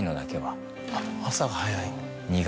朝が早い。